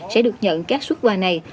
sẽ được nhận các suất quà này